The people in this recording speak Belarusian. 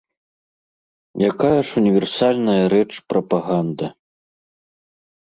Якая ж універсальная рэч прапаганда.